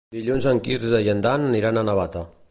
Dilluns en Quirze i en Dan aniran a Navata.